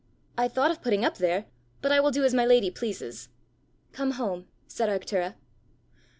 "I thought of putting up there, but I will do as my lady pleases." "Come home," said Arctura.